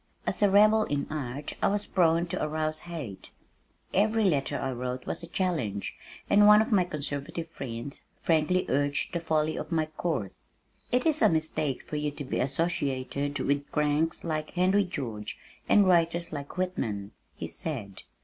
As a rebel in art I was prone to arouse hate. Every letter I wrote was a challenge, and one of my conservative friends frankly urged the folly of my course. "It is a mistake for you to be associated with cranks like Henry George and writers like Whitman," he said.